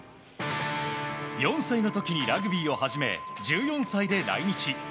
４歳の時にラグビーを始め１４歳で来日。